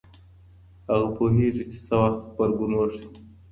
هغه پوهیږي چي څه وخت غبرګون وښيي.